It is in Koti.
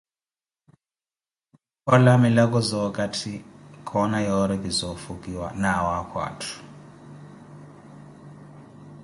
Kukhola milako za okatti, koona yoori pi za ofukiwa na awaamo atthu